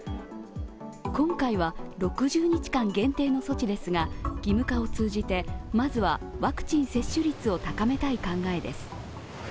今回は６０日間限定の措置ですが義務化を通じてまずはワクチン接種率を高めたい考えです。